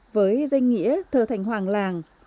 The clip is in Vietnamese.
với danh nghĩa thờ thành hoàng làng